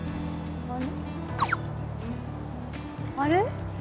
あれ？